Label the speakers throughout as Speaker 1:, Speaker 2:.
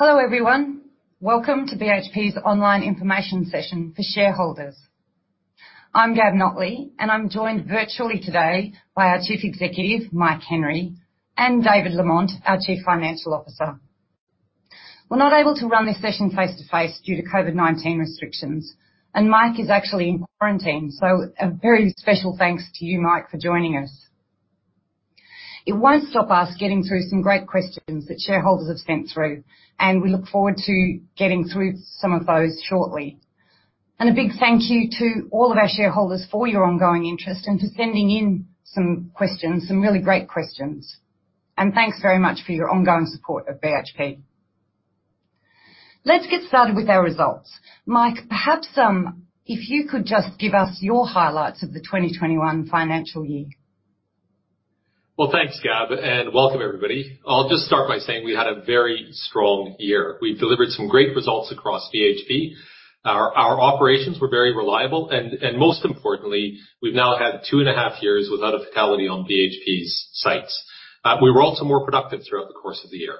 Speaker 1: Hello everyone. Welcome to BHP's Online Information Session for Shareholders. I'm Gabrielle Notley, and I'm joined virtually today by our Chief Executive, Mike Henry, and David Lamont, our Chief Financial Officer. We're not able to run this session face-to-face due to COVID-19 restrictions, and Mike is actually in quarantine, so a very special thanks to you, Mike, for joining us. It won't stop us getting through some great questions that shareholders have sent through. We look forward to getting through some of those shortly. A big thank you to all of our shareholders for your ongoing interest and for sending in some questions, some really great questions. Thanks very much for your ongoing support of BHP. Let's get started with our results. Mike, perhaps if you could just give us your highlights of the 2021 financial year.
Speaker 2: Thanks, Gab, and welcome everybody. I'll just start by saying we had a very strong year. We delivered some great results across BHP. Our operations were very reliable, and most importantly, we've now had 2.5 years without a fatality on BHP's sites. We were also more productive throughout the course of the year.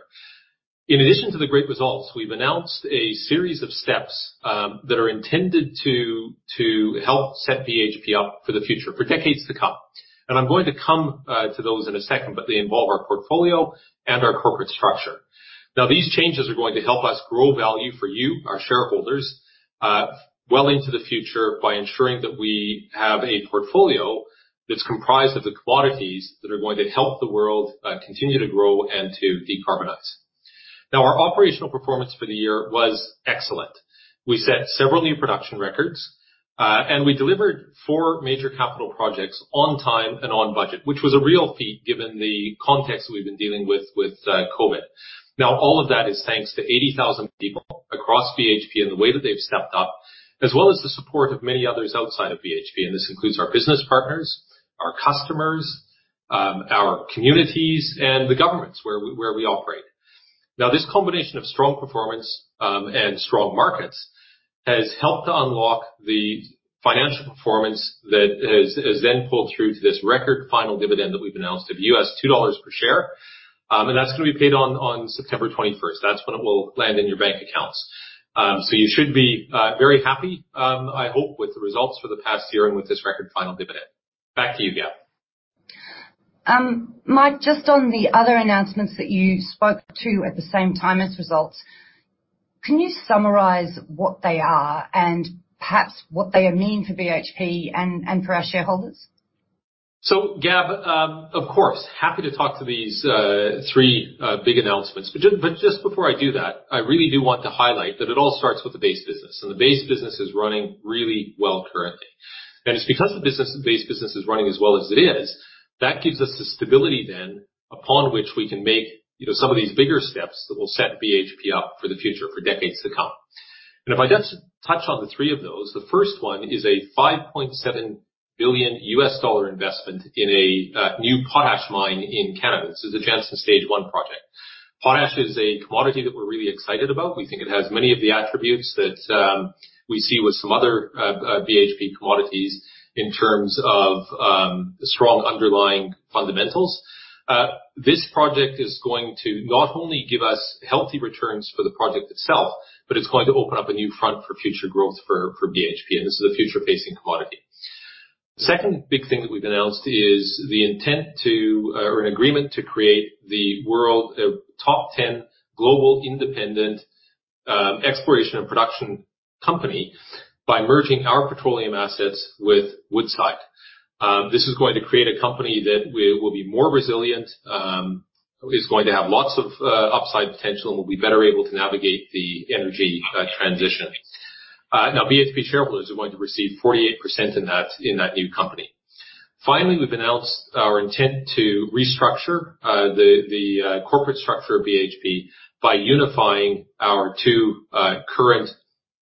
Speaker 2: In addition to the great results, we've announced a series of steps that are intended to help set BHP up for the future, for decades to come. I'm going to come to those in a second, but they involve our portfolio and our corporate structure. These changes are going to help us grow value for you, our shareholders, well into the future by ensuring that we have a portfolio that's comprised of the commodities that are going to help the world continue to grow and to decarbonize. Our operational performance for the year was excellent. We set several new production records, and we delivered four major capital projects on time and on budget, which was a real feat given the context we've been dealing with COVID. All of that is thanks to 80,000 people across BHP and the way that they've stepped up, as well as the support of many others outside of BHP, and this includes our business partners, our customers, our communities, and the governments where we operate. This combination of strong performance, and strong markets, has helped to unlock the financial performance that has then pulled through to this record final dividend that we've announced of US$2 per share. That's going to be paid on September 21st. That's when it will land in your bank accounts. You should be very happy, I hope, with the results for the past year and with this record final dividend. Back to you, Gab.
Speaker 1: Mike, just on the other announcements that you spoke to at the same time as results, can you summarize what they are and perhaps what they mean for BHP and for our shareholders?
Speaker 2: Gab, of course, happy to talk to these three big announcements. Just before I do that, I really do want to highlight that it all starts with the base business. The base business is running really well currently. It's because the base business is running as well as it is, that gives us the stability then upon which we can make some of these bigger steps that will set BHP up for the future for decades to come. If I just touch on the three of those, the first one is a $5.7 billion U.S. investment in a new potash mine in Canada. This is the Jansen Stage one project. Potash is a commodity that we're really excited about. We think it has many of the attributes that we see with some other BHP commodities in terms of strong underlying fundamentals. This project is going to not only give us healthy returns for the project itself, but it's going to open up a new front for future growth for BHP. This is a future-facing commodity. Second big thing that we've announced is the intent to, or an agreement to create the world top 10 global independent exploration and production company by merging our petroleum assets with Woodside. This is going to create a company that will be more resilient, is going to have lots of upside potential, and will be better able to navigate the energy transition. BHP shareholders are going to receive 48% in that new company. We've announced our intent to restructure the corporate structure of BHP by unifying our two current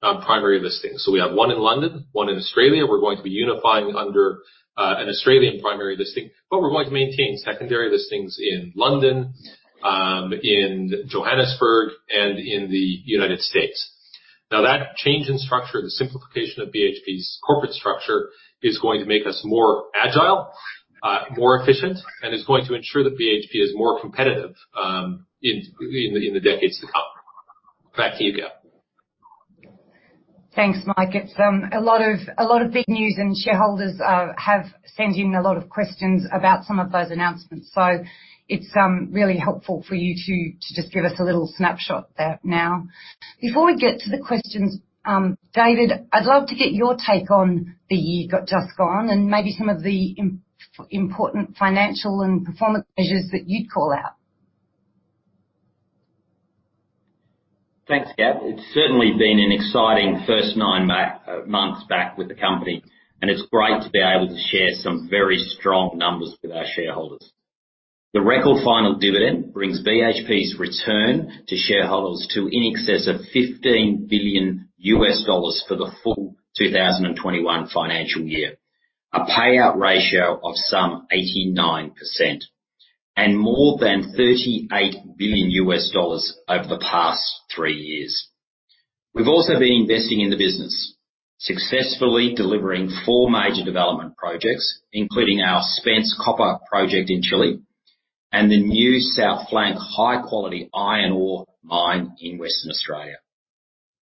Speaker 2: primary listings. We have one in London, one in Australia. We're going to be unifying under an Australian primary listing, but we're going to maintain secondary listings in London, in Johannesburg, and in the United States. Now that change in structure, the simplification of BHP's corporate structure, is going to make us more agile, more efficient, and is going to ensure that BHP is more competitive in the decades to come. Back to you, Gabrielle Notley.
Speaker 1: Thanks, Mike. It's a lot of big news. Shareholders have sent in a lot of questions about some of those announcements. It's really helpful for you to just give us a little snapshot there now. Before we get to the questions, David, I'd love to get your take on the year just gone and maybe some of the important financial and performance measures that you'd call out.
Speaker 3: Thanks, Gab. It's certainly been an exciting first nine months back with the company, and it's great to be able to share some very strong numbers with our shareholders. The record final dividend brings BHP's return to shareholders to in excess of $15 billion for the full 2021 financial year, a payout ratio of some 89%, and more than $38 billion over the past three years. We've also been investing in the business, successfully delivering four major development projects, including our Spence copper project in Chile and the new South Flank high-quality iron ore mine in Western Australia.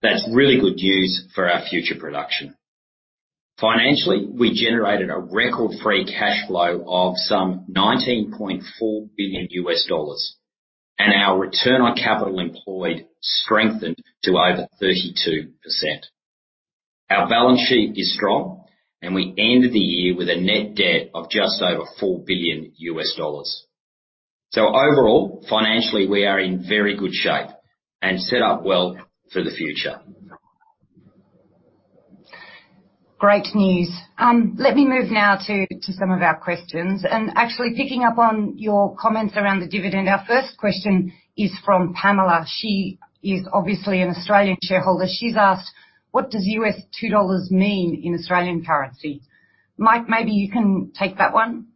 Speaker 3: That's really good news for our future production. Financially, we generated a record free cash flow of some $19.4 billion. Our return on capital employed strengthened to over 32%. Our balance sheet is strong, and we ended the year with a net debt of just over $4 billion. Overall, financially, we are in very good shape and set up well for the future.
Speaker 1: Great news. Let me move now to some of our questions. Actually picking up on your comments around the dividend. Our first question is from Pamela. She is obviously an Australian shareholder. She's asked, what does US$2 mean in Australian currency? Mike, maybe you can take that one.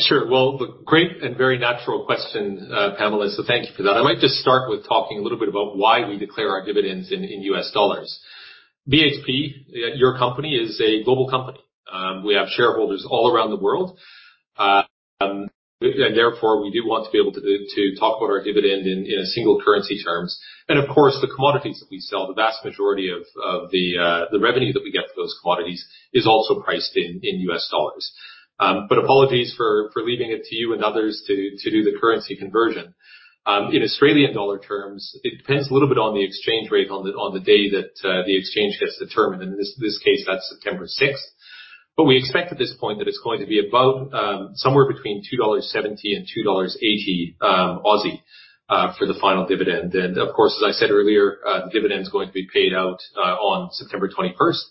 Speaker 2: Sure. Great and very natural question, Pamela, so thank you for that. I might just start with talking a little bit about why we declare our dividends in US dollars. BHP, your company, is a global company. We have shareholders all around the world. Therefore, we do want to be able to talk about our dividend in a single currency terms. The commodities that we sell, the vast majority of the revenue that we get for those commodities is also priced in US dollars. Apologies for leaving it to you and others to do the currency conversion. In Australian dollar terms, it depends a little bit on the exchange rate on the day that the exchange gets determined. In this case, that's September 6th. We expect at this point that it's going to be about somewhere between 2.70 dollars and 2.80 Aussie dollars for the final dividend. As I said earlier, dividend is going to be paid out on September 21st.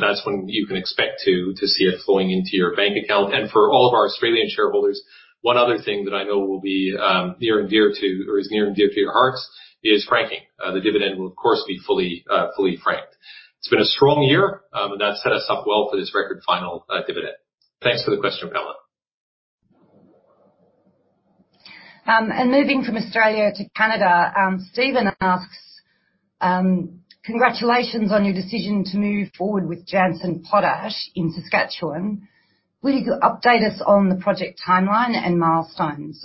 Speaker 2: That's when you can expect to see it flowing into your bank account. For all of our Australian shareholders, one other thing that I know will be near and dear to your hearts is franking. The dividend will, of course, be fully franked. It's been a strong year, and that set us up well for this record final dividend. Thanks for the question, Pamela.
Speaker 1: Moving from Australia to Canada, Stephen asks, congratulations on your decision to move forward with Jansen Potash in Saskatchewan. Will you update us on the project timeline and milestones?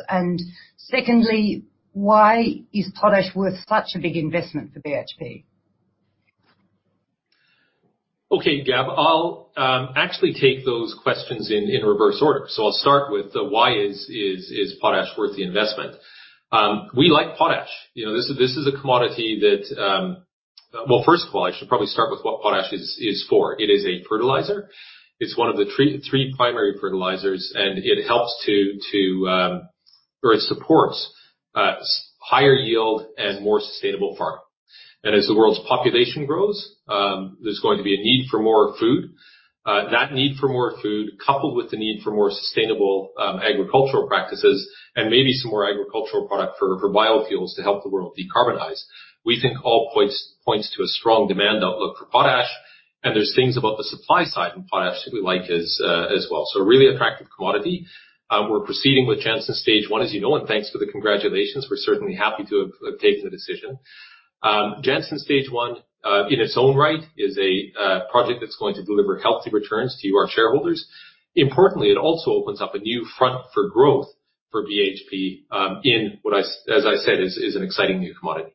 Speaker 1: Secondly, why is potash worth such a big investment for BHP?
Speaker 2: Okay, Gab, I'll actually take those questions in reverse order. I'll start with the why is potash worth the investment. We like potash. This is a commodity that Well, first of all, I should probably start with what potash is for. It is a fertilizer. It's one of the three primary fertilizers, and it helps to, or it supports higher yield and more sustainable farming. As the world's population grows, there's going to be a need for more food. That need for more food, coupled with the need for more sustainable agricultural practices and maybe some more agricultural product for biofuels to help the world decarbonize. We think all points to a strong demand outlook for potash, and there's things about the supply side in potash that we like as well. A really attractive commodity. We're proceeding with Jansen Stage one, as you know, and thanks for the congratulations. We're certainly happy to have taken the decision. Jansen Stage one, in its own right, is a project that's going to deliver healthy returns to you, our shareholders. Importantly, it also opens up a new front for growth for BHP, in what as I said, is an exciting new commodity.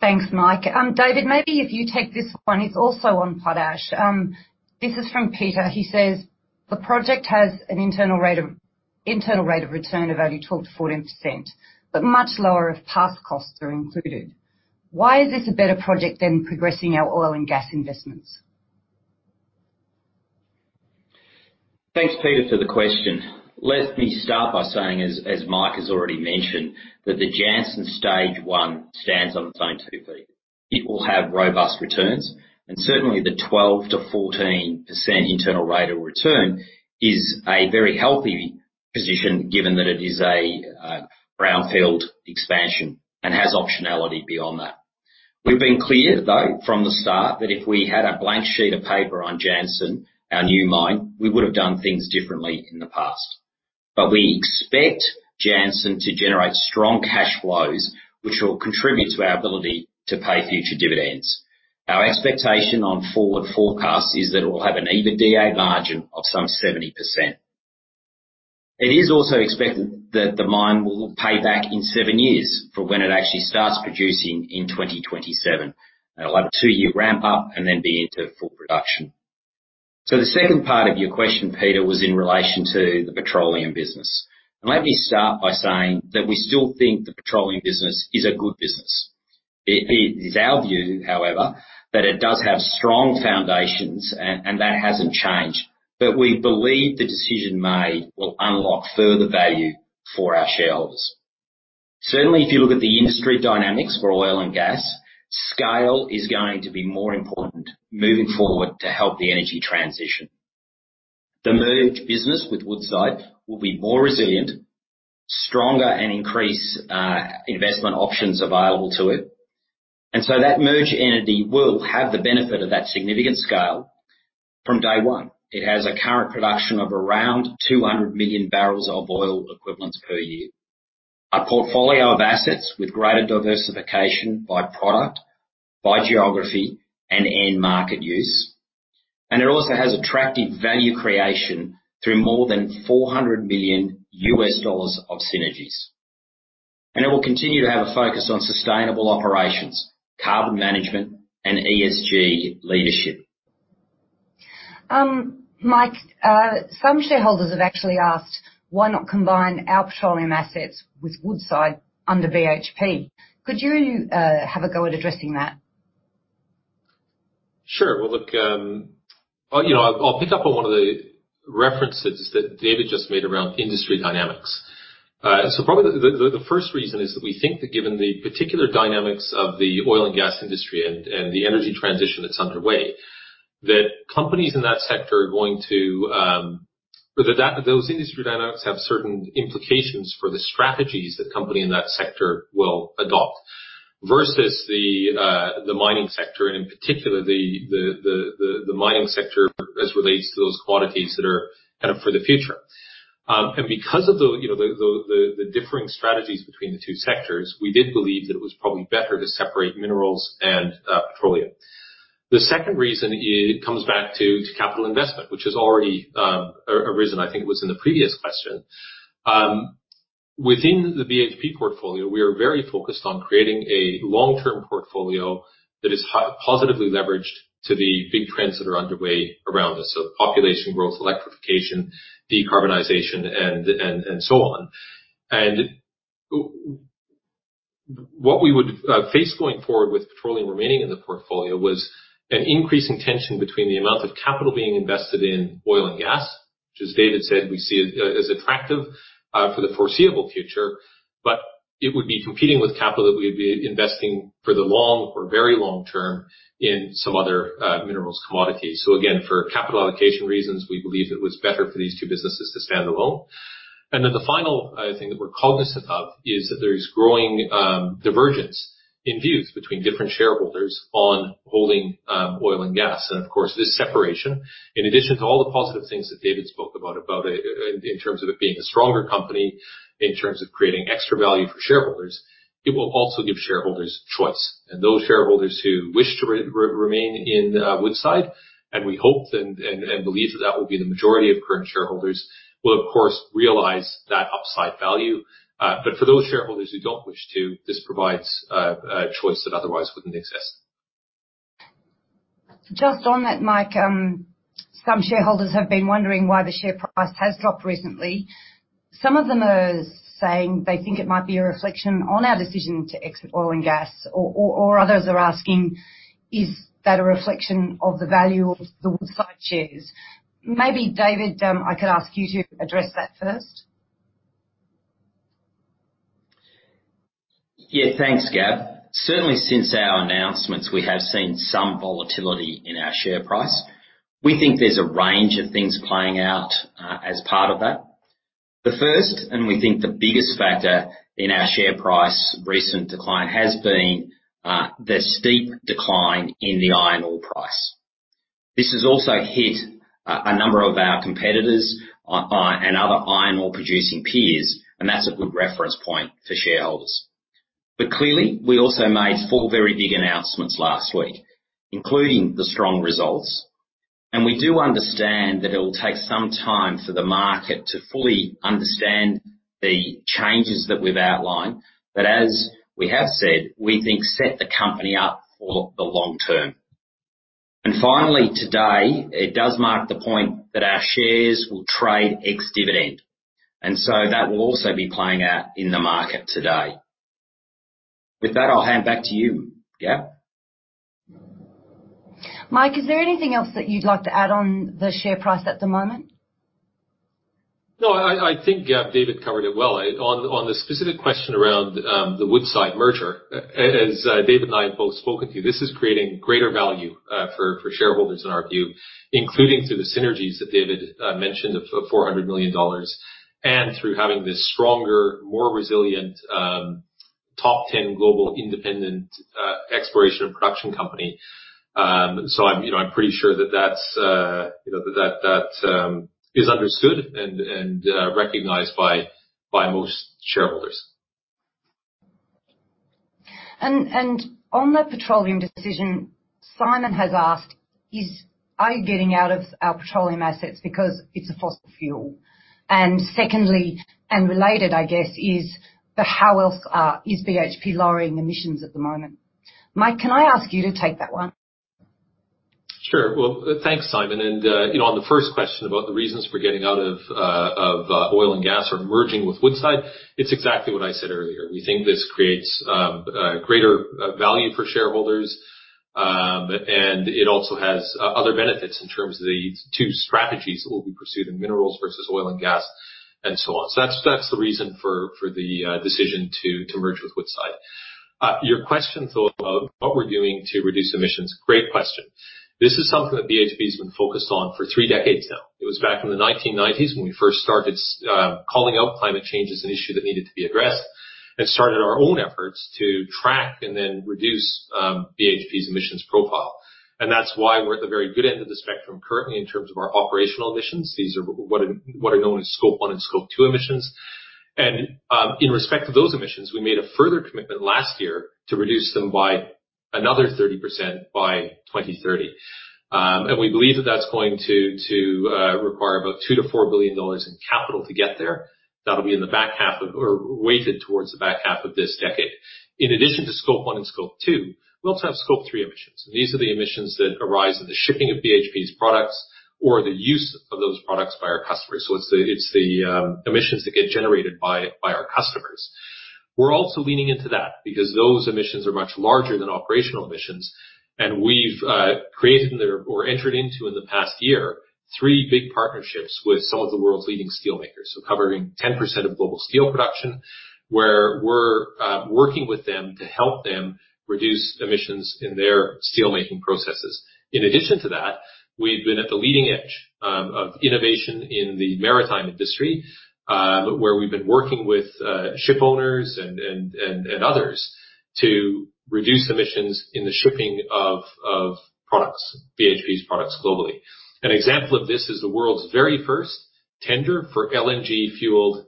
Speaker 1: Thanks, Mike. David, maybe if you take this one, it's also on potash. This is from Peter. He says, "The project has an internal rate of return of only 12%-14%, but much lower if past costs are included. Why is this a better project than progressing our oil and gas investments?
Speaker 3: Thanks, Peter, for the question. Let me start by saying, as Mike has already mentioned, that the Jansen Stage one stands on its own two feet. It will have robust returns, and certainly the 12%-14% internal rate of return is a very healthy position given that it is a brownfield expansion and has optionality beyond that. We've been clear, though, from the start, that if we had a blank sheet of paper on Jansen, our new mine, we would have done things differently in the past. We expect Jansen to generate strong cash flows, which will contribute to our ability to pay future dividends. Our expectation on forward forecasts is that it will have an EBITDA margin of some 70%. It is also expected that the mine will pay back in seven years for when it actually starts producing in 2027. It'll have a two-year ramp up and then be into full production. The second part of your question, Peter, was in relation to the petroleum business. Let me start by saying that we still think the petroleum business is a good business. It is our view, however, that it does have strong foundations, and that hasn't changed. We believe the decision made will unlock further value for our shareholders. Certainly, if you look at the industry dynamics for oil and gas, scale is going to be more important moving forward to help the energy transition. The merged business with Woodside will be more resilient, stronger, and increase investment options available to it. That merged entity will have the benefit of that significant scale from day one. It has a current production of around 200 million barrels of oil equivalent per year. A portfolio of assets with greater diversification by product, by geography, and end market use. It also has attractive value creation through more than $400 million of synergies. It will continue to have a focus on sustainable operations, carbon management and ESG leadership.
Speaker 1: Mike, some shareholders have actually asked why not combine our petroleum assets with Woodside under BHP? Could you have a go at addressing that?
Speaker 2: Sure. Look, I'll pick up on one of the references that David just made around industry dynamics. Probably the first reason is that we think that given the particular dynamics of the oil and gas industry and the energy transition that's underway, those industry dynamics have certain implications for the strategies that company in that sector will adopt, versus the mining sector, and in particular the mining sector as relates to those commodities that are for the future. Because of the differing strategies between the two sectors, we did believe that it was probably better to separate minerals and petroleum. The second reason, it comes back to capital investment, which has already arisen, it was in the previous question. Within the BHP portfolio, we are very focused on creating a long-term portfolio that is positively leveraged to the big trends that are underway around us. Population growth, electrification, decarbonization, and so on. What we would face going forward with petroleum remaining in the portfolio was an increasing tension between the amount of capital being invested in oil and gas, which, as David said, we see as attractive for the foreseeable future, but it would be competing with capital that we'd be investing for the long or very long term in some other minerals commodity. Again, for capital allocation reasons, we believed it was better for these two businesses to stand alone. The final thing that we're cognizant of is that there is growing divergence in views between different shareholders on holding oil and gas. This separation, in addition to all the positive things that David spoke about in terms of it being a stronger company, in terms of creating extra value for shareholders, it will also give shareholders choice. Those shareholders who wish to remain in Woodside, and we hope and believe that will be the majority of current shareholders, will of course realize that upside value. For those shareholders who don't wish to, this provides a choice that otherwise wouldn't exist.
Speaker 1: Just on that, Mike, some shareholders have been wondering why the share price has dropped recently. Some of them are saying they think it might be a reflection on our decision to exit oil and gas. Others are asking, is that a reflection of the value of the Woodside shares? Maybe, David, I could ask you to address that first.
Speaker 3: Thanks, Gab. Certainly, since our announcements, we have seen some volatility in our share price. We think there's a range of things playing out as part of that. The first, and we think the biggest factor in our share price recent decline, has been the steep decline in the iron ore price. This has also hit a number of our competitors and other iron ore-producing peers, and that's a good reference point for shareholders. Clearly, we also made four very big announcements last week, including the strong results. We do understand that it'll take some time for the market to fully understand the changes that we've outlined, but as we have said, we think set the company up for the long term. Finally, today, it does mark the point that our shares will trade ex-dividend. That will also be playing out in the market today. With that, I'll hand back to you, Gab.
Speaker 1: Mike, is there anything else that you'd like to add on the share price at the moment?
Speaker 2: No, Gab, David covered it well. On the specific question around the Woodside merger, as David and I have both spoken to, this is creating greater value for shareholders in our view, including through the synergies that David mentioned of $400 million. Through having this stronger, more resilient, top 10 global independent exploration and production company. I'm pretty sure that is understood and recognized by most shareholders.
Speaker 1: On that petroleum decision, Simon has asked, "Are you getting out of our petroleum assets because it's a fossil fuel?" Secondly, and related, is the how else is BHP lowering emissions at the moment? Mike, can I ask you to take that one?
Speaker 2: Sure. Thanks, Simon. On the first question about the reasons for getting out of oil and gas or merging with Woodside, it's exactly what I said earlier. We think this creates greater value for shareholders, and it also has other benefits in terms of the two strategies that will be pursued in minerals versus oil and gas, and so on. That's the reason for the decision to merge with Woodside. Your question, though, of what we're doing to reduce emissions, great question. This is something that BHP's been focused on for three decades now. It was back in the 1990s when we first started calling out climate change as an issue that needed to be addressed. And started our own efforts to track and then reduce BHP's emissions profile. That's why we're at the very good end of the spectrum currently in terms of our operational emissions. These are what are known as Scope one and Scope two emissions. In respect to those emissions, we made a further commitment last year to reduce them by another 30% by 2030. We believe that's going to require about $2 billion-$4 billion in capital to get there. That'll be in the back half of or weighted towards the back half of this decade. In addition to Scope one and Scope two, we also have Scope three emissions. These are the emissions that arise in the shipping of BHP's products or the use of those products by our customers. It's the emissions that get generated by our customers. We're also leaning into that because those emissions are much larger than operational emissions, and we've created or entered into, in the past year, three big partnerships with some of the world's leading steel makers. Covering 10% of global steel production, where we're working with them to help them reduce emissions in their steel making processes. In addition to that, we've been at the leading edge of innovation in the maritime industry, where we've been working with ship owners and others to reduce emissions in the shipping of products, BHP's products globally. An example of this is the world's very first tender for LNG-fueled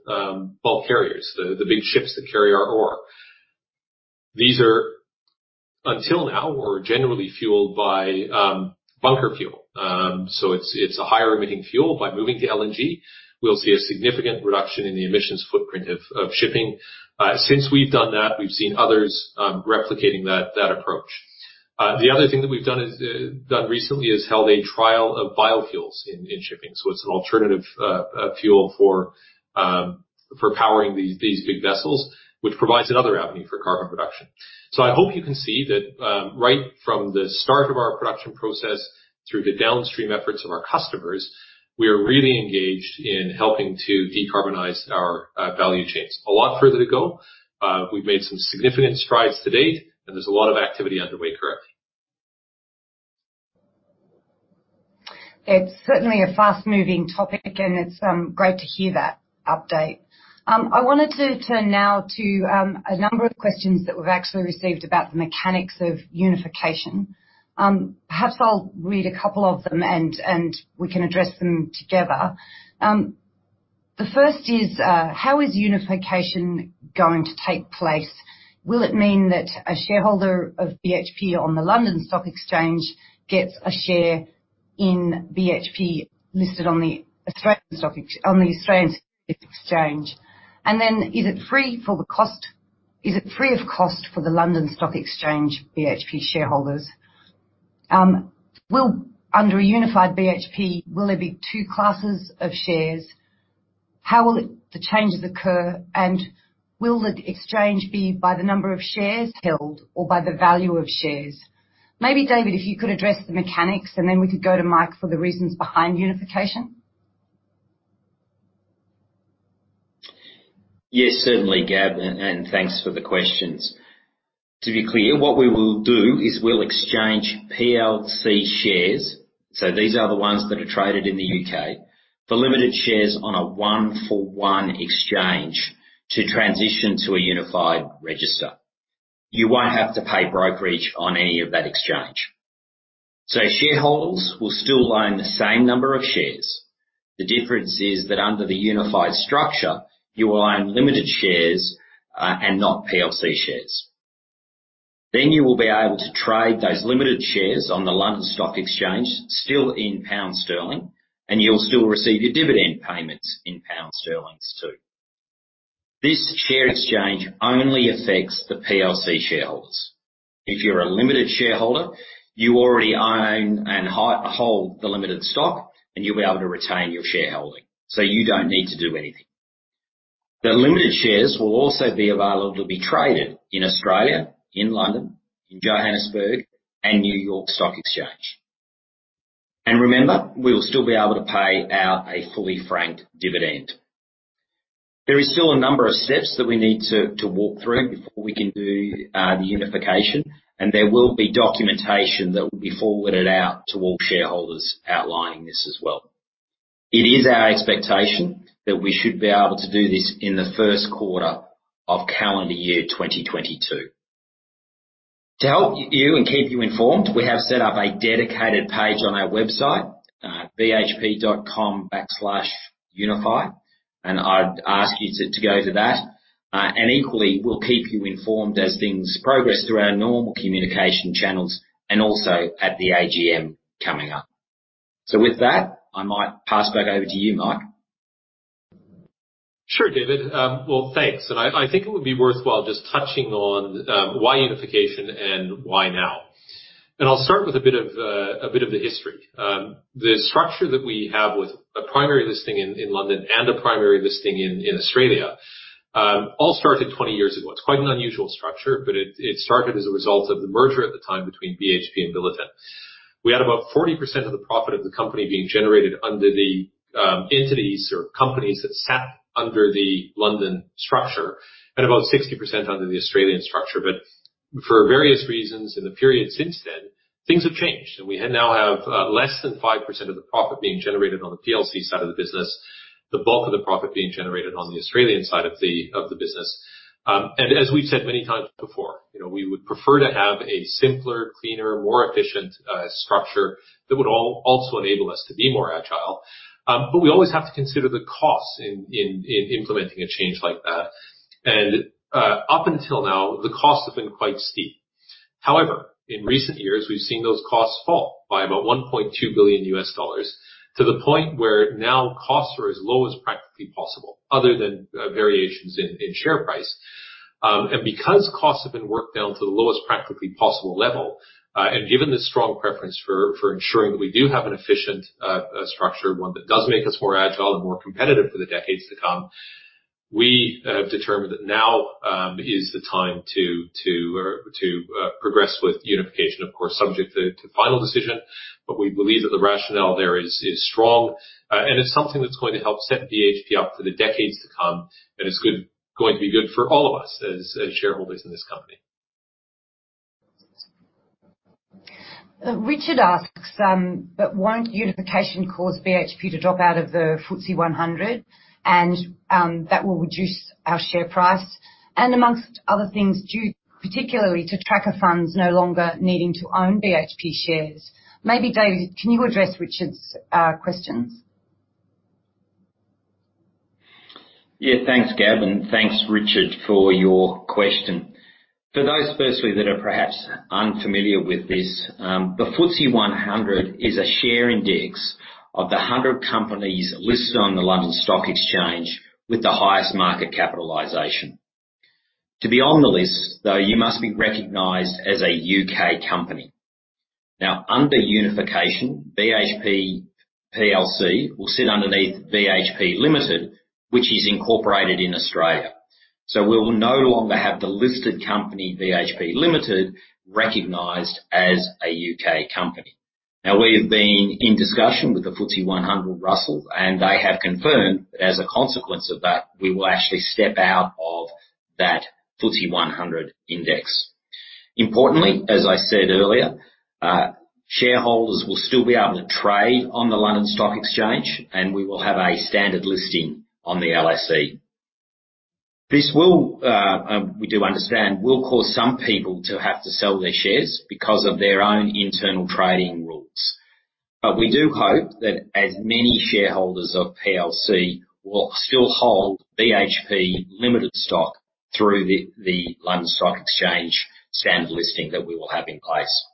Speaker 2: bulk carriers. The big ships that carry our ore. These are, until now, were generally fueled by bunker fuel. It's a higher emitting fuel. By moving to LNG, we'll see a significant reduction in the emissions footprint of shipping. Since we've done that, we've seen others replicating that approach. The other thing that we've done recently is held a trial of biofuels in shipping. It's an alternative fuel for powering these big vessels, which provides another avenue for carbon reduction. I hope you can see that, right from the start of our production process through the downstream efforts of our customers, we are really engaged in helping to decarbonize our value chains. A lot further to go. We've made some significant strides to date, and there's a lot of activity underway currently.
Speaker 1: It's certainly a fast-moving topic, and it's great to hear that update. I wanted to turn now to a number of questions that we've actually received about the mechanics of unification. Perhaps I'll read a couple of them, and we can address them together. The first is: How is unification going to take place? Will it mean that a shareholder of BHP on the London Stock Exchange gets a share in BHP listed on the Australian Securities Exchange? Is it free of cost for the London Stock Exchange BHP shareholders? Under a unified BHP, will there be two classes of shares? How will the changes occur, and will the exchange be by the number of shares held or by the value of shares? Maybe David, if you could address the mechanics, and then we could go to Mike for the reasons behind unification.
Speaker 3: Yes, certainly, Gab. Thanks for the questions. To be clear, what we will do is we'll exchange PLC shares, so these are the ones that are traded in the U.K., for Limited shares on a one-for-one exchange to transition to a unified register. You won't have to pay brokerage on any of that exchange. Shareholders will still own the same number of shares. The difference is that under the unified structure, you will own Limited shares, and not PLC shares. You will be able to trade those Limited shares on the London Stock Exchange, still in pound sterling, and you'll still receive your dividend payments in pound sterlings too. This share exchange only affects the PLC shareholders. If you're a Limited shareholder, you already own and hold the Limited stock, and you'll be able to retain your shareholding. You don't need to do anything. The limited shares will also be available to be traded in Australia, in London, in Johannesburg, New York Stock Exchange. Remember, we will still be able to pay out a fully franked dividend. There is still a number of steps that we need to walk through before we can do the unification, and there will be documentation that will be forwarded out to all shareholders outlining this as well. It is our expectation that we should be able to do this in the first quarter of calendar year 2022. To help you and keep you informed, we have set up a dedicated page on our website, bhp.com/unify, and I'd ask you to go to that. Equally, we'll keep you informed as things progress through our normal communication channels and also at the AGM coming up. With that, I might pass back over to you, Mike.
Speaker 2: Sure, David. Well, thanks. It would be worthwhile just touching on why unification and why now. I'll start with a bit of the history. The structure that we have with a primary listing in London and a primary listing in Australia, all started 20 years ago. It's quite an unusual structure, but it started as a result of the merger at the time between BHP and Billiton. We had about 40% of the profit of the company being generated under the entities or companies that sat under the London structure and about 60% under the Australian structure. For various reasons in the period since then, things have changed, and we now have less than 5% of the profit being generated on the PLC side of the business, the bulk of the profit being generated on the Australian side of the business. As we've said many times before, we would prefer to have a simpler, cleaner, more efficient structure that would also enable us to be more agile. We always have to consider the costs in implementing a change like that. Up until now, the costs have been quite steep. However, in recent years, we've seen those costs fall by about $1.2 billion U.S., to the point where now costs are as low as practically possible, other than variations in share price. Because costs have been worked down to the lowest practically possible level. And given the strong preference for ensuring that we do have an efficient structure, one that does make us more agile and more competitive for the decades to come. We have determined that now is the time to progress with unification. Subject to final decision, we believe that the rationale there is strong, and it's something that's going to help set BHP up for the decades to come, and it's going to be good for all of us as shareholders in this company.
Speaker 1: Richard asks, won't unification cause BHP to drop out of the FTSE 100, and that will reduce our share price, and amongst other things, due particularly to tracker funds no longer needing to own BHP shares? Maybe David, can you address Richard's questions?
Speaker 3: Yeah, thanks, Gab, and thanks, Richard, for your question. For those firstly that are perhaps unfamiliar with this, the FTSE 100 is a share index of the 100 companies listed on the London Stock Exchange with the highest market capitalization. To be on the list, though, you must be recognized as a U.K. company. Now, under unification, BHP PLC will sit underneath BHP Limited, which is incorporated in Australia. We will no longer have the listed company, BHP Limited, recognized as a U.K. company. Now, we've been in discussion with the FTSE 100 Russell, and they have confirmed that as a consequence of that, we will actually step out of that FTSE 100 Index. Importantly, as I said earlier, shareholders will still be able to trade on the London Stock Exchange, and we will have a standard listing on the LSE. This will, we do understand, will cause some people to have to sell their shares because of their own internal trading rules. We do hope that as many shareholders of PLC will still hold BHP Limited stock through the London Stock Exchange standard listing that we will have in place.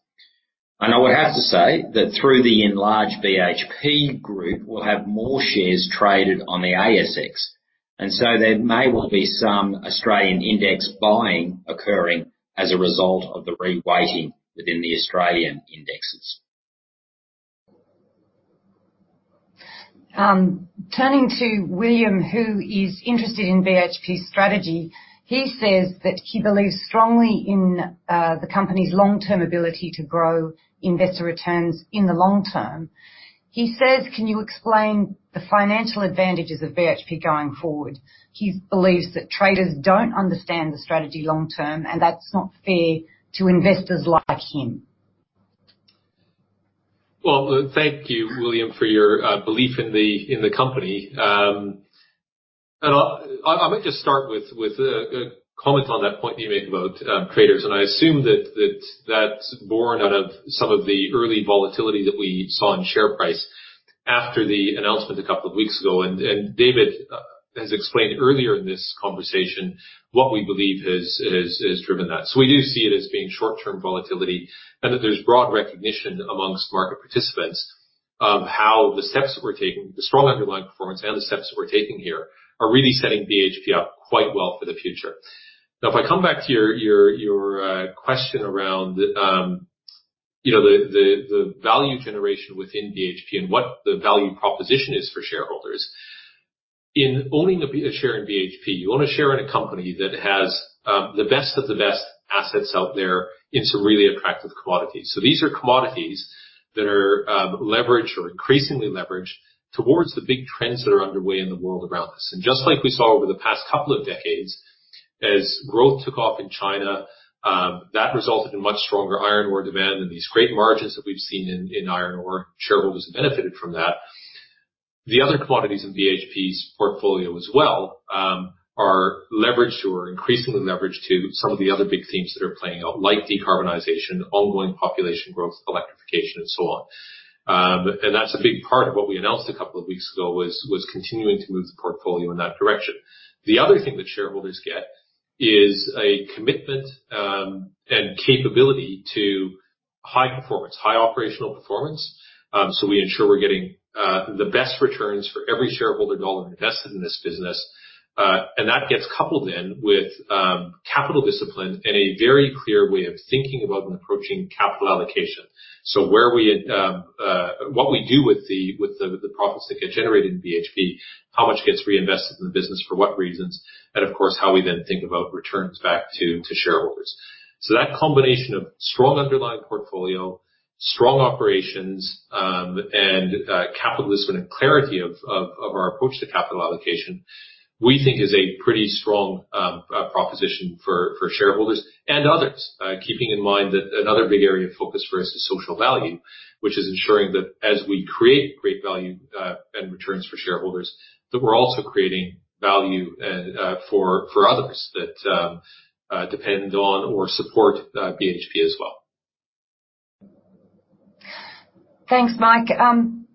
Speaker 3: I would have to say that through the enlarged BHP Group, we'll have more shares traded on the ASX, and so there may well be some Australian index buying occurring as a result of the reweighting within the Australian indexes.
Speaker 1: Turning to William, who is interested in BHP's strategy. He says that he believes strongly in the company's long-term ability to grow investor returns in the long term. He says, "Can you explain the financial advantages of BHP going forward?" He believes that traders don't understand the strategy long term, and that's not fair to investors like him.
Speaker 2: Thank you, William, for your belief in the company. I might just start with a comment on that point you make about traders, I assume that that's born out of some of the early volatility that we saw in share price after the announcement two weeks ago. David has explained earlier in this conversation what we believe has driven that. We do see it as being short-term volatility and that there's broad recognition amongst market participants of how the steps that we're taking, the strong underlying performance and the steps that we're taking here are really setting BHP up quite well for the future. If I come back to your question around the value generation within BHP and what the value proposition is for shareholders. In owning a share in BHP, you own a share in a company that has the best of the best assets out there in some really attractive commodities. These are commodities that are leveraged or increasingly leveraged towards the big trends that are underway in the world around us. Just like we saw over the past couple of decades, as growth took off in China, that resulted in much stronger iron ore demand and these great margins that we've seen in iron ore. Shareholders benefited from that. The other commodities in BHP's portfolio as well, are leveraged to or increasingly leveraged to some of the other big themes that are playing out, like decarbonization, ongoing population growth, electrification, and so on. That's a big part of what we announced a couple of weeks ago, was continuing to move the portfolio in that direction. The other thing that shareholders get is a commitment, and capability to high performance, high operational performance. We ensure we're getting the best returns for every shareholder dollar invested in this business. That gets coupled in with capital discipline and a very clear way of thinking about and approaching capital allocation. What we do with the profits that get generated in BHP, how much gets reinvested in the business for what reasons, and of course, how we then think about returns back to shareholders. That combination of strong underlying portfolio, strong operations, and capital discipline, and clarity of our approach to capital allocation, we think is a pretty strong proposition for shareholders and others. Keeping in mind that another big area of focus for us is social value, which is ensuring that as we create great value, and returns for shareholders, that we're also creating value for others that depend on or support BHP as well.
Speaker 1: Thanks, Mike.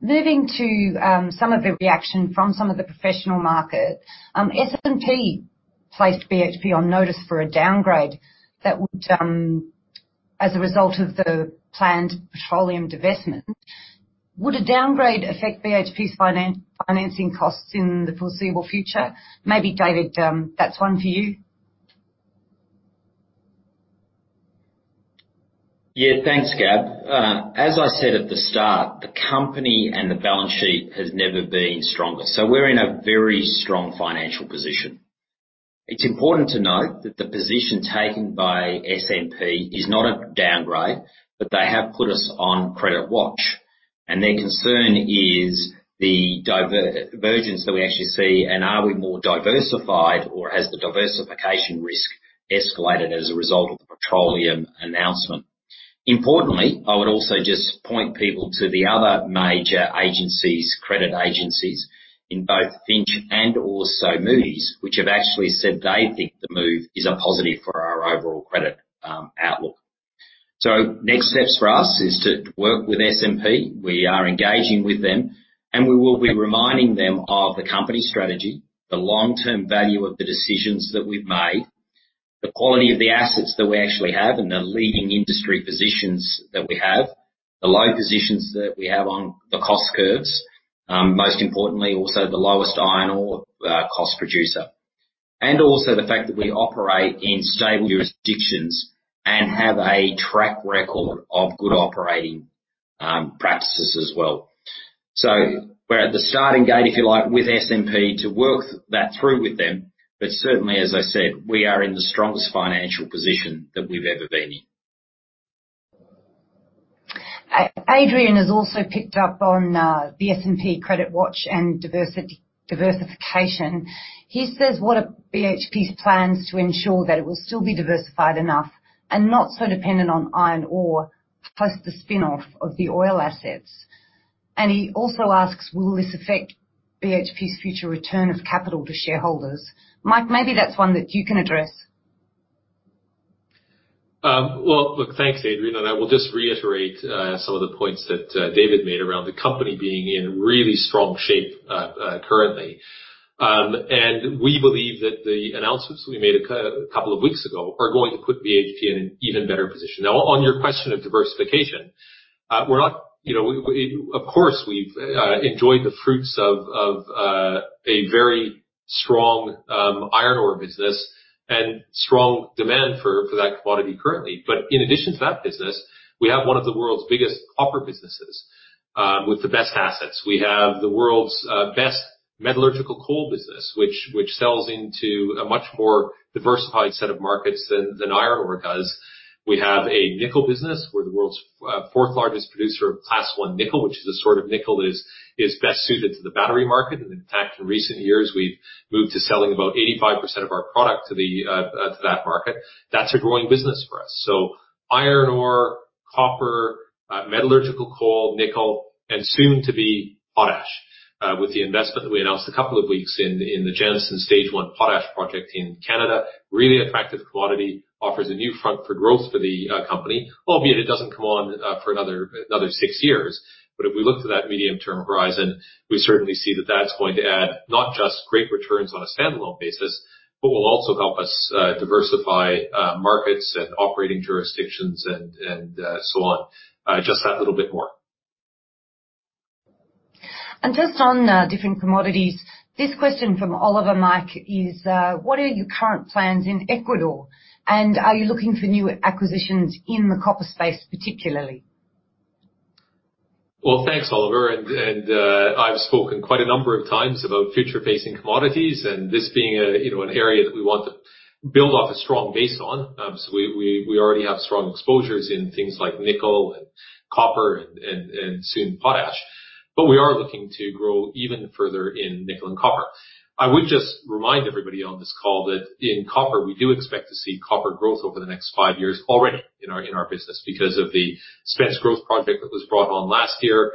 Speaker 1: Moving to some of the reaction from some of the professional market. S&P placed BHP on notice for a downgrade as a result of the planned petroleum divestment. Would a downgrade affect BHP's financing costs in the foreseeable future? Maybe, David, that's one for you.
Speaker 3: Yeah, thanks, Gab. As I said at the start, the company and the balance sheet has never been stronger. We're in a very strong financial position. It's important to note that the position taken by S&P is not a downgrade, but they have put us on credit watch, and their concern is the divergence that we actually see and are we more diversified or has the diversification risk escalated as a result of the petroleum announcement. Importantly, I would also just point people to the other major agencies, credit agencies in both Fitch and also Moody's, which have actually said they think the move is a positive for our overall credit outlook. Next steps for us is to work with S&P. We are engaging with them. We will be reminding them of the company strategy, the long-term value of the decisions that we've made, the quality of the assets that we actually have and the leading industry positions that we have, the low positions that we have on the cost curves. Most importantly, also the lowest iron ore cost producer, also the fact that we operate in stable jurisdictions and have a track record of good operating practices as well. We're at the starting gate, if you like, with S&P to work that through with them. Certainly, as I said, we are in the strongest financial position that we've ever been in.
Speaker 1: Adrian has also picked up on the S&P credit watch and diversification. He says, "What are BHP's plans to ensure that it will still be diversified enough and not so dependent on iron ore post the spin-off of the oil assets?" He also asks, "Will this affect BHP's future return of capital to shareholders?" Mike, maybe that's one that you can address.
Speaker 2: Look, thanks, Adrian, I will just reiterate some of the points that David made around the company being in really strong shape currently. We believe that the announcements we made a couple of weeks ago are going to put BHP in an even better position. Now, on your question of diversification, of course, we've enjoyed the fruits of a very strong iron ore business and strong demand for that commodity currently. In addition to that business, we have one of the world's biggest copper businesses with the best assets. We have the world's best metallurgical coal business, which sells into a much more diversified set of markets than iron ore does. We have a nickel business. We're the world's 4th-largest producer of Class one nickel, which is a nickel that is best suited to the battery market. In fact, in recent years, we've moved to selling about 85% of our product to that market. That's a growing business for us. Iron ore, copper, metallurgical coal, nickel, and soon to be potash. With the investment that we announced a couple of weeks in the Jansen Stage one potash project in Canada, really attractive commodity, offers a new front for growth for the company, albeit it doesn't come on for another six years. If we look to that medium-term horizon, we certainly see that that's going to add not just great returns on a standalone basis, but will also help us diversify markets and operating jurisdictions and so on. Just that little bit more.
Speaker 1: Just on different commodities, this question from Oliver, Mike, is, "What are your current plans in Ecuador? And are you looking for new acquisitions in the copper space, particularly?
Speaker 2: Thanks, Oliver, I've spoken quite a number of times about future-facing commodities and this being an area that we want to build off a strong base on. We already have strong exposures in things like nickel and copper and soon potash. We are looking to grow even further in nickel and copper. I would just remind everybody on this call that in copper, we do expect to see copper growth over the next five years already in our business because of the Spence growth project that was brought on last year,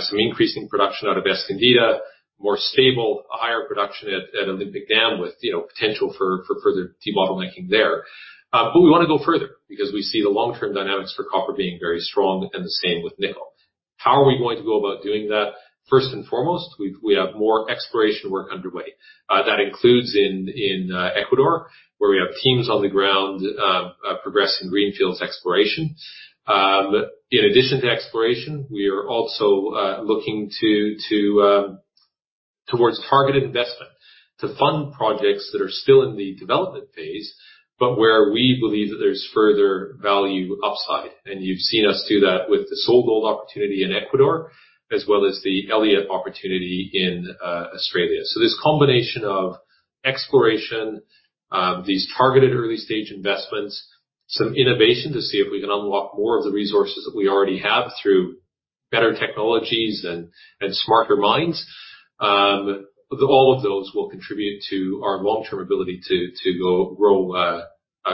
Speaker 2: some increasing production out of Escondida, more stable, higher production at Olympic Dam with potential for further debottlenecking there. We want to go further because we see the long-term dynamics for copper being very strong and the same with nickel. How are we going to go about doing that? First and foremost, we have more exploration work underway. That includes in Ecuador, where we have teams on the ground progressing greenfields exploration. In addition to exploration, we are also looking towards targeted investment to fund projects that are still in the development phase, but where we believe that there's further value upside. You've seen us do that with the SolGold opportunity in Ecuador as well as the Elliott opportunity in Australia. This combination of exploration, these targeted early-stage investments, some innovation to see if we can unlock more of the resources that we already have through better technologies and smarter minds. All of those will contribute to our long-term ability to grow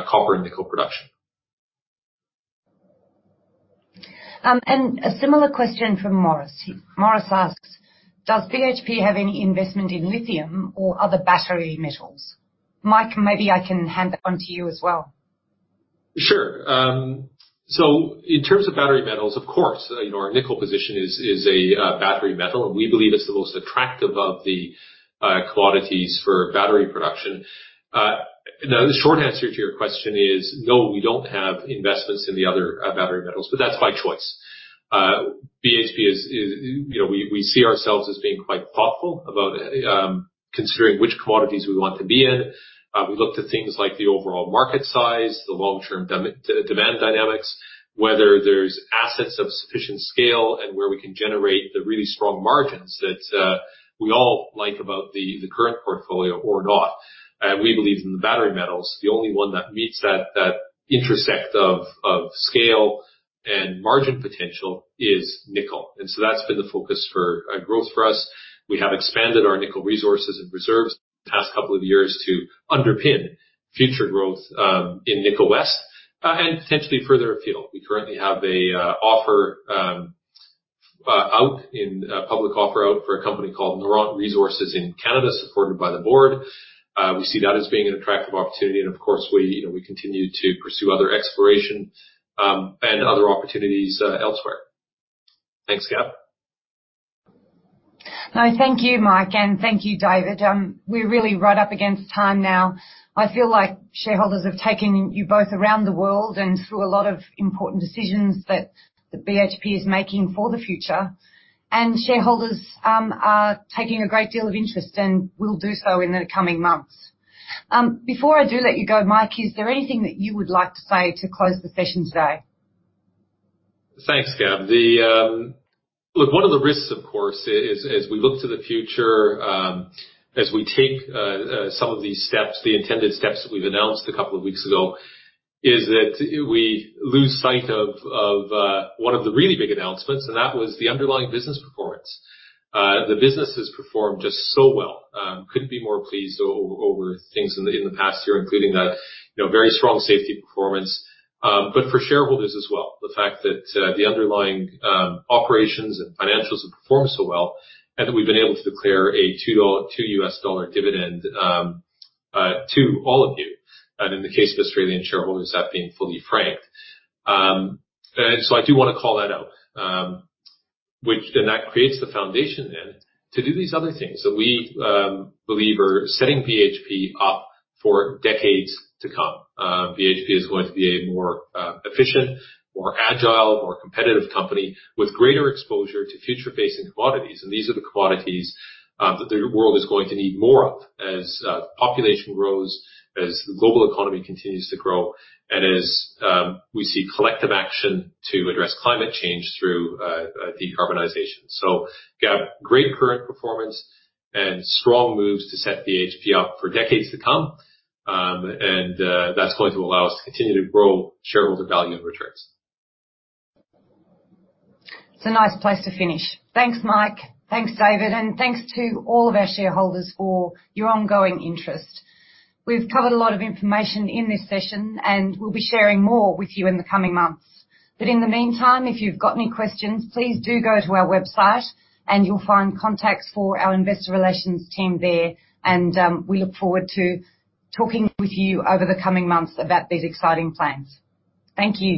Speaker 2: copper and nickel production.
Speaker 1: A similar question from Morris. Morris asks, "Does BHP have any investment in lithium or other battery metals?" Mike, maybe I can hand that on to you as well.
Speaker 2: In terms of battery metals, of course, our nickel position is a battery metal, and we believe it's the most attractive of the commodities for battery production. The short answer to your question is no, we don't have investments in the other battery metals, but that's by choice. BHP, we see ourselves as being quite thoughtful about considering which commodities we want to be in. We looked at things like the overall market size, the long-term demand dynamics, whether there's assets of sufficient scale, and where we can generate the really strong margins that we all like about the current portfolio or not. We believe in the battery metals, the only one that meets that intersect of scale and margin potential is nickel. That's been the focus for growth for us. We have expanded our nickel resources and reserves the past couple of years to underpin future growth, in Nickel West, and potentially further afield. We currently have a public offer out for a company called Noront Resources in Canada, supported by the board. We see that as being an attractive opportunity and of course, we continue to pursue other exploration and other opportunities elsewhere. Thanks, Gab.
Speaker 1: No, thank you, Mike, and thank you, David. We're really right up against time now. I feel like shareholders have taken you both around the world and through a lot of important decisions that BHP is making for the future, and shareholders are taking a great deal of interest and will do so in the coming months. Before I do let you go, Mike, is there anything that you would like to say to close the session today?
Speaker 2: Thanks, Gab. One of the risks, of course, as we look to the future, as we take some of these steps, the intended steps that we've announced a couple of weeks ago, is that we lose sight of one of the really big announcements, and that was the underlying business performance. The business has performed just so well. Couldn't be more pleased over things in the past year, including that very strong safety performance, but for shareholders as well. The fact that the underlying operations and financials have performed so well, and that we've been able to declare a $2 dividend to all of you, and in the case of Australian shareholders, that being fully franked. I do want to call that out. That creates the foundation then to do these other things that we believe are setting BHP up for decades to come. BHP is going to be a more efficient, more agile, more competitive company with greater exposure to future-facing commodities. These are the commodities that the world is going to need more of as population grows, as the global economy continues to grow, and as we see collective action to address climate change through decarbonization. Gab, great current performance and strong moves to set BHP up for decades to come. That's going to allow us to continue to grow shareholder value and returns.
Speaker 1: It's a nice place to finish. Thanks, Mike. Thanks, David. Thanks to all of our shareholders for your ongoing interest. We've covered a lot of information in this session. We'll be sharing more with you in the coming months. In the meantime, if you've got any questions, please do go to our website and you'll find contacts for our investor relations team there. We look forward to talking with you over the coming months about these exciting plans. Thank you